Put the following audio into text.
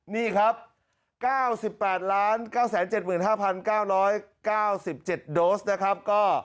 นี่ครับ๙๘๙๗๕๙๙๗โดสนะครับ